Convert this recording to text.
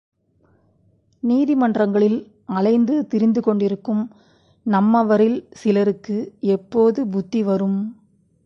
நீதிமன்றங்களில் அலைந்து திரிந்து கொண்டிருக்கும் நம்மவரில் சிலருக்கு எப்போது புத்திவரும்.